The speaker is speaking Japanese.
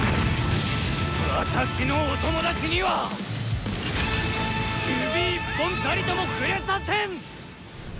私のおトモダチには指一本たりとも触れさせん！